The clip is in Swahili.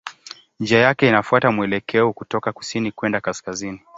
Njia yake inafuata mwelekeo kutoka kusini kwenda kaskazini.